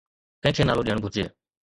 ڪنهن کي نالو ڏيڻ گهرجي؟